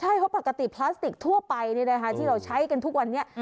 ใช่เพราะปกติพลาสติกทั่วไปที่เราใช้กันทุกวันนี้